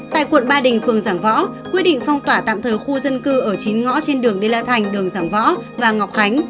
tại quận ba đình phường giảng võ quy định phong tỏa tạm thời khu dân cư ở chín ngõ trên đường đê la thành đường giảng võ và ngọc khánh